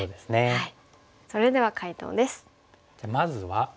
はい。